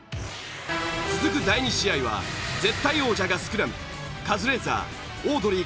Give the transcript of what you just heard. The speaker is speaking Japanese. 続く第２試合は絶対王者がスクラムカズレーザーオードリー